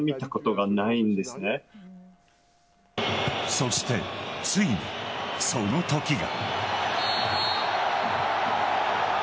そして、ついにそのときが。